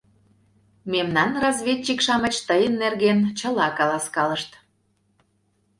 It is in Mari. Мемнан разведчик-шамыч тыйын нерген чыла каласкалышт.